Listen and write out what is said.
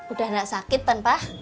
udah gak sakit tan pak